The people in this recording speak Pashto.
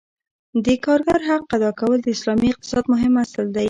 د کارګر حق ادا کول د اسلامي اقتصاد مهم اصل دی.